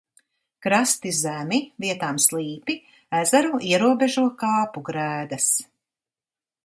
Krasti zemi, vietām slīpi, ezeru ierobežo kāpu grēdas.